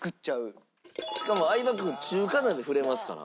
しかも相葉君中華鍋振れますから。